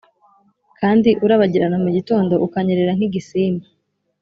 kandi urabagirana mugitondo, ukanyerera nkigisimba